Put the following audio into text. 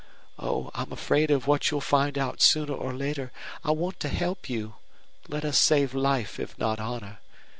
Oh, I'm afraid of what you'll find out sooner or later. I want to help you. Let us save life if not honor.